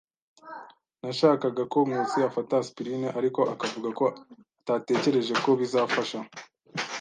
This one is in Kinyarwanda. Nashakaga ko Nkusi afata aspirine, ariko akavuga ko atatekereje ko bizafasha.